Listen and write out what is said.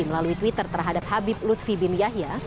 melalui twitter terhadap habib lutfi bin yahya